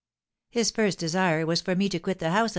His first desire was for me to quit the house of M.